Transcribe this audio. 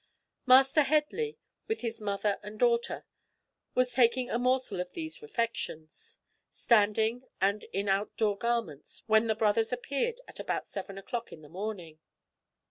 Master Headley, with his mother and daughter, was taking a morsel of these refections, standing, and in out door garments, when the brothers appeared at about seven o'clock in the morning.